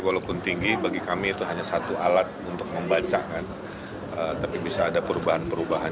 walaupun tinggi bagi kami itu hanya satu alat untuk membaca kan tapi bisa ada perubahan perubahan